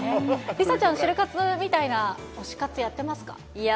梨紗ちゃん、シル活みたいな推しやってます。